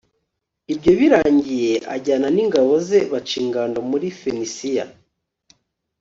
ibyo birangiye, ajyana n'ingabo ze baca ingando muri fenisiya